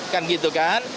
kan gitu kan